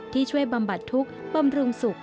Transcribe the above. ที่ช่วยบำบัดทุกข์บำรุงสุข